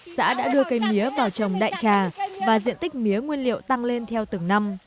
xã đã đưa cây mía vào trồng đại trà và diện tích mía nguyên liệu tăng lên theo từng năm